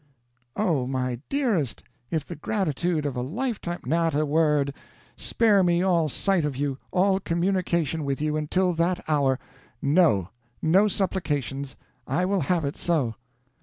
"Oh, my dearest, if the gratitude of a lifetime " "Not a word. Spare me all sight of you, all communication with you, until that hour. No no supplications; I will have it so."